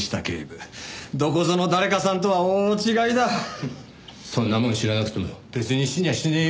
フンッそんなもん知らなくても別に死にゃあしねえよ。